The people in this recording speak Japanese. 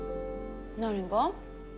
何が？